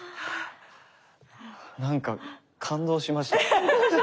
何か感動しました。